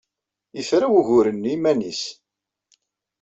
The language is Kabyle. Yefra wugur-nni iman-is.